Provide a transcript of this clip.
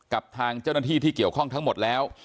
กับทางเจ้าหน้าที่ที่เกี่ยวข้องทั้งหมดแล้ว